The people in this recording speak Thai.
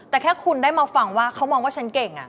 แต่แค่คุณได้มาฟังว่าเขามองว่าฉันเก่ง